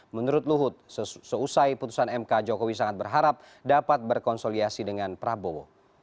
menurut luhut seusai putusan mk jokowi sangat berharap dapat berkonsolidasi dengan prabowo